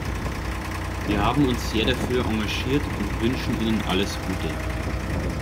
Wir haben uns sehr dafür engagiert und wünschen Ihnen alles Gute.